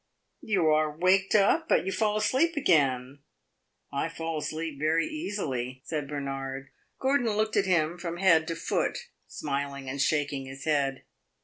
"You are waked up? But you fall asleep again!" "I fall asleep very easily," said Bernard. Gordon looked at him from head to foot, smiling and shaking his head.